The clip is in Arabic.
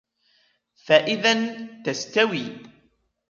فَإِذَنْ تَسْتَوِي